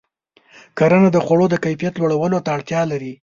کرنه د خوړو د کیفیت لوړولو ته اړتیا لري.